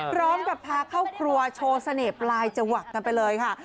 พร้อมกับพาเข้าครัวโชว์เสน่ห์ปลายจวักกันไปเลยค่ะ